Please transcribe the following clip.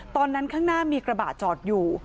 ตอนนั้นข้างหน้ามีกระบะจอดอยู่